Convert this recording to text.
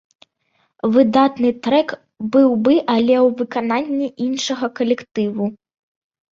Выдатны трэк быў бы, але ў выкананні іншага калектыву.